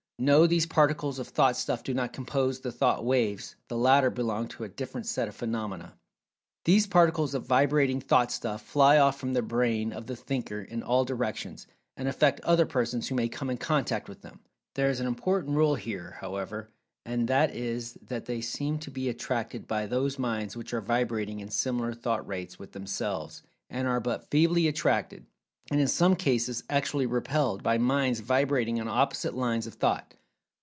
No these particles of "Thought stuff" do not compose the "Thought waves"—the latter belong to a different set of phenomena. These particles of vibrating "Thought stuff" fly off from the brain of the thinker, in all directions, and affect other persons who may come in contact with them. There is an important rule here, however, and that is that they seem to be attracted by those minds which are vibrating in similar thought rates with[Pg 224] themselves, and are but feebly attracted—and in some cases, actually repelled—by minds vibrating on opposite lines of Thought.